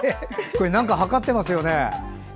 なんか測ってますよね。